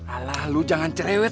alah lu jangan cerewet